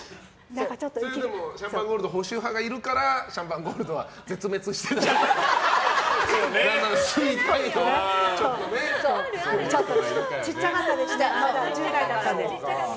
それでもシャンパンゴールド保守派がいるからシャンパンゴールドは絶滅したんじゃないかな。